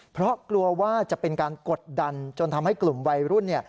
เพราะกลัวว่าจะเป็นการกดดันจนทำให้กลุ่มวัยรุ่นเนี่ย